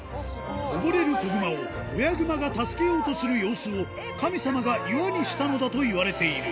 溺れる子熊を親熊が助けようとする様子を、神様が岩にしたのだといわれている。